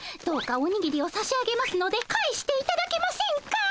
どうかおにぎりをさし上げますので返していただけませんか？